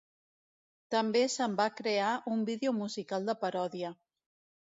També se'n va crear un vídeo musical de paròdia.